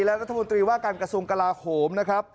และรัฐมนตรีว่าการกระทรวงกลาโขม